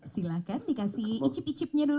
silahkan dikasih icip icipnya